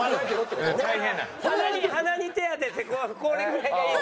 鼻に手当ててこれぐらいがいい。